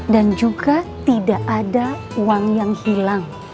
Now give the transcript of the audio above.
dan juga tidak ada uang yang hilang